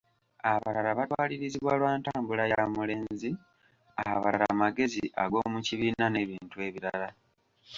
Abalala batwalirizibwa lwa ntambula ya mulenzi, abalala magezi ag'omukibiina n'ebintu ebirala.